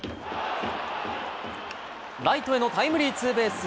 ライトへのタイムリーツーベース。